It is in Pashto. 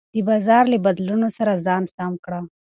د بازار له بدلونونو سره ځان سم کړه.